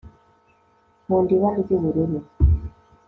nkunda ibara ry'ubururu